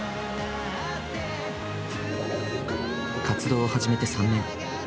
活動を始めて３年。